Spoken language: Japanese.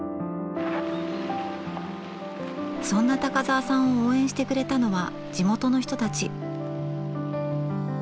そんな高沢さんを応援してくれたのは地元の人たち。